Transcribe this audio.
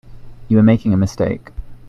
You are making a mistake.